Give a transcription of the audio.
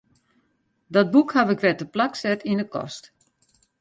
Dat boek haw ik wer teplak set yn 'e kast.